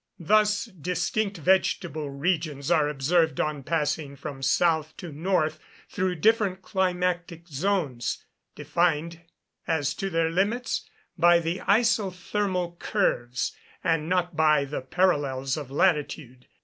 Thus distinct vegetable regions are observed on passing from south to north through different climatic zones, defined as to their limits by the isothermal curves, and not by the parallels of latitude.